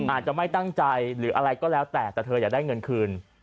อาจจะไม่ตั้งใจหรืออะไรก็แล้วแต่แต่เธออยากได้เงินคืน